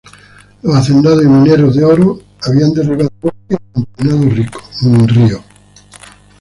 Los hacendados y mineros de oro habían derribado bosques y contaminado ríos.